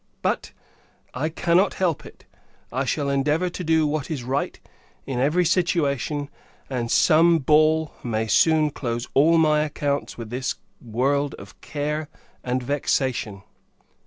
But, I cannot help it: I shall endeavour to do what is right, in every situation; and some ball may soon close all my accounts with this world of care and vexation!